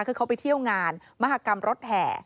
คือเขาไปเที่ยวงานมหากรรมรถแห่